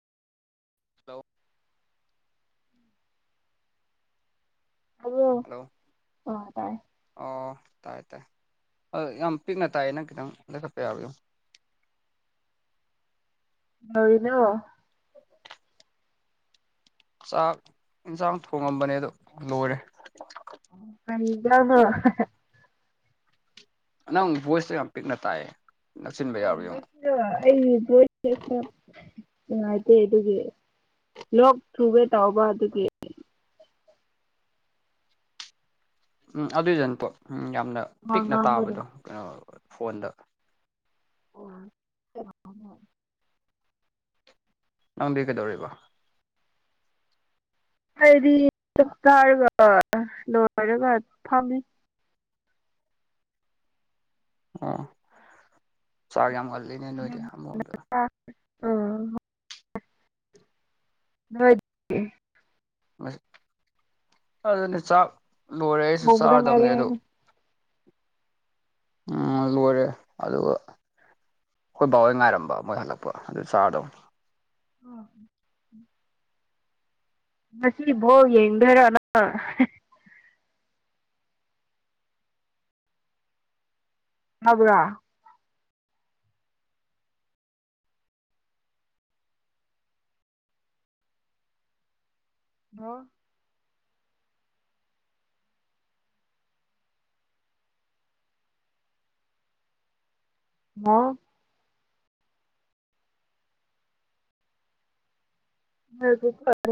hello hello ꯑꯣ ꯇꯥꯏ ꯑꯣ ꯇꯥꯏ ꯇꯥꯏ ꯌꯥꯝ ꯄꯤꯛꯅ ꯇꯥꯏꯌꯦꯅꯪ ꯈꯤꯇꯪ ꯂꯈꯠꯄ ꯌꯥꯕꯨ [inaudible] ꯍ ꯏꯅꯣ ꯆꯥꯛ ꯌꯦꯟꯁꯥꯡ ꯊꯣꯡꯉꯝꯕꯅꯦ ꯑꯗꯨꯣ ꯂꯣꯏꯔꯦ ꯃꯟꯅꯣ ꯅ ꯣꯏꯁꯁ ꯌꯥꯝ ꯄꯤꯛꯅ ꯇꯑꯌꯦ ꯑꯣꯁ ꯑꯩꯣ ꯉꯅꯨꯡꯥꯏꯇꯦ ꯑꯗꯨꯒꯤ ꯂꯣꯛ ꯊ꯭ꯔꯨꯕꯦ ꯇꯥꯎꯕ ꯑꯗꯨꯒꯤ ꯎꯝ ꯑꯗꯨꯏꯗꯅ ꯄꯣ ꯎꯝ ꯌꯥꯝꯅ ꯋꯥ ꯄꯤꯛꯅ ꯉꯥꯡꯕꯗꯣ ꯇꯥꯕꯗꯣ ꯀꯩꯅꯣ ꯐꯣꯟꯗ ꯑꯣ ꯅꯪꯗꯤ ꯀꯩꯗꯧꯔꯤꯕ ꯍꯥꯏꯗꯤ ꯆꯞ ꯆꯥꯔꯒ ꯂꯣꯏꯔꯒ ꯐꯝꯃꯤ ꯑꯣ ꯆꯥꯛ ꯌꯥꯝꯒꯜꯂꯤꯅꯦ ꯅꯣꯏꯗꯤ ꯑꯃꯝꯕꯣꯝꯗꯨꯗ ꯑ ꯑꯗꯨꯅꯤ ꯆꯥꯛ ꯂꯣꯏꯔꯦ ꯑꯩꯁꯨ ꯊꯣꯡꯕꯗ ꯉꯥꯏꯔꯦ ꯆꯥꯔꯗꯝꯕꯅꯦ ꯑꯗꯣ ꯍꯥꯏꯅꯦ ꯎꯝ ꯂꯦ ꯑꯗꯨꯒ ꯑꯩꯈꯣꯏ ꯕꯥꯍꯣꯏ ꯉꯥꯏꯔꯝꯕ ꯃꯣꯏ ꯍꯜꯂꯛꯄ ꯑꯗꯨ ꯆꯥꯔꯗꯧꯅꯤ ꯑ ꯉꯁꯤꯐꯥꯎ ꯌꯦꯡꯊꯔꯅ ꯑꯕꯒ ꯍ ꯑꯥ ꯍ ꯐ